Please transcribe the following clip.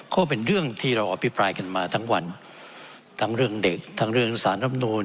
ก็เป็นเรื่องที่เราอภิปรายกันมาทั้งวันทั้งเรื่องเด็กทั้งเรื่องสารรำนูน